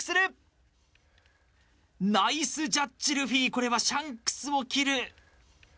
これはシャンクスを切る。